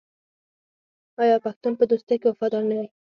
آیا پښتون په دوستۍ کې وفادار نه وي؟